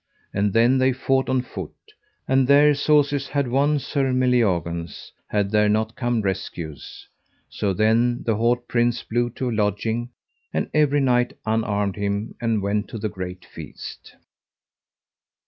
And then they fought on foot, and there Sauseise had won Sir Meliagaunce, had there not come rescues. So then the haut prince blew to lodging, and every knight unarmed him and went to the great feast.